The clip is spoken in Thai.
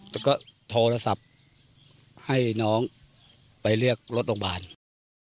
แล้วก็โทรศัพท์ให้น้องไปเรียกรถโรงพยาบาลนะครับ